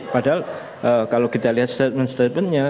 padahal kalau kita lihat statement statementnya